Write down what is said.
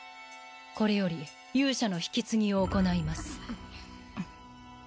これより勇者の引き継ぎを行います。